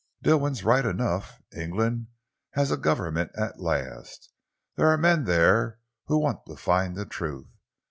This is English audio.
Dilwyn's right enough. England has a Government at last. There are men there who want to find the truth.